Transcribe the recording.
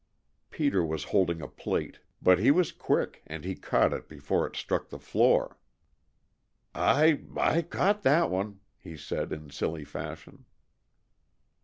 Peter was holding a plate, but he was quick, and he caught it before it struck the floor. "I I caught that one," he said in silly fashion.